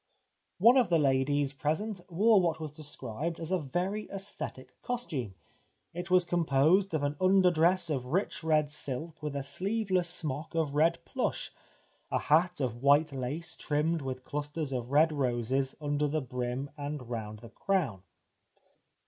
One of the ladies present wore what was described as a " very aesthetic costume." It was composed of "an under dress of rich red silk with a sleeveless smock of red plush, a hat of white lace trimmed with clusters of red roses under the brim and round the crown."